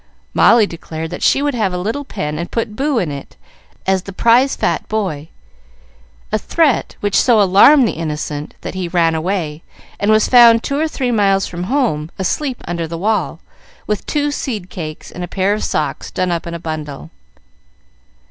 Molly declared she would have a little pen, and put Boo in it, as the prize fat boy a threat which so alarmed the innocent that he ran away, and was found two or three miles from home, asleep under the wall, with two seed cakes and a pair of socks done up in a bundle.